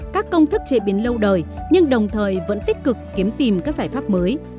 các công thức chế biến lâu đời nhưng đồng thời vẫn tích cực kiếm tìm các giải pháp mới